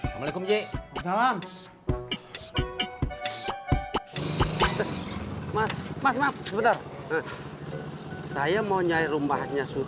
hai hai mas mas mas sebetulnya tiene di luar indonesia